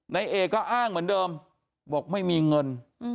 นายเอกก็อ้างเหมือนเดิมบอกไม่มีเงิน